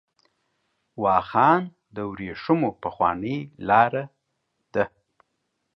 واخان د ورېښمو پخوانۍ لار ده .